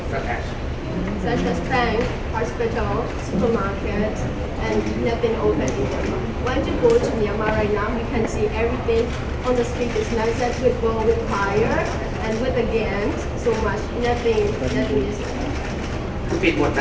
พวกมันจัดสินค้าที่๑๙นาที